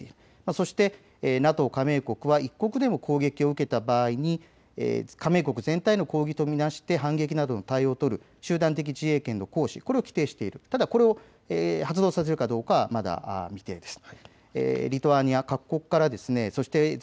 そしてＮＡＴＯは加盟国が１国でも攻撃を受けた場合、加盟国全体への攻撃と見なして反撃などの対応を取る集団的自衛権の行使が規定されている、ただこれが発動されるかどうかはまだ未定です。